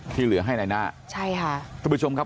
ที่เหลือให้แนน่ใช่ฮะท่านผู้ชมครับ